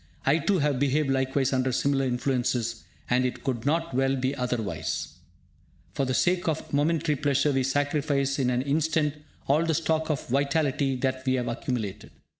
I too have behaved likewise under similar influences, and it could not well be otherwise. For the sake of a momentary pleasure, we sacrifice in an instant all the stock of vitality that we have accumulated.